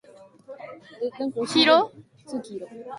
There is a hardware store: Home Hardware.